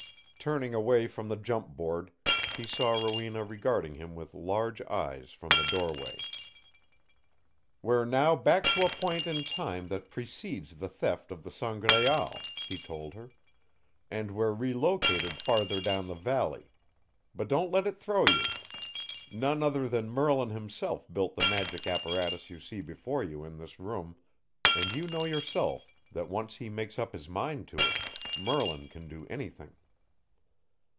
Turning away from the jump board, he saw Rowena regarding him with large eyes from the doorway. "We're now back to a point in time that precedes the theft of the Sangraal," he told her, "and we're relocated farther down the valley. But don't let it throw you. None other than Merlin himself built the magic apparatus you see before you in this room, and you know yourself that once he makes up his mind to it, Merlin can do anything."